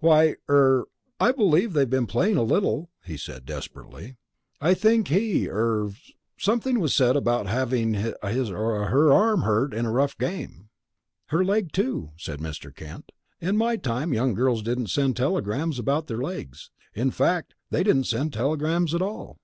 "Why er I believe they have been playing a little," he said desperately. "I think he er something was said about having his hum her arm hurt in a rough game." "Her leg, too," said Mr. Kent. "In my time, young girls didn't send telegrams about their legs. In fact, they didn't send telegrams at all."